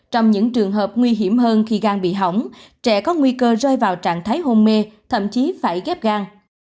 trong những trường hợp nguy hiểm hơn khi gan bị hỏng trẻ có nguy cơ rơi vào trạng thái hôn mê thậm chí phải ghép gan